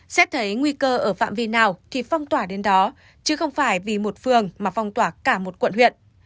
xét thấy nguy cơ ở phạm vi nào thì phong tỏa đến đó chứ không phải vì một phường mà phong tỏa cả một quận huyện